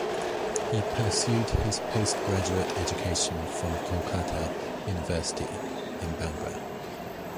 He pursued his post graduate education from Kolkata University in Bangla.